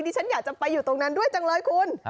ฉันอยากจะไปอยู่ตรงนั้นด้วยจังเลยคุณ